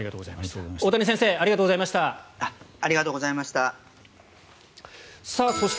大谷先生ありがとうございました。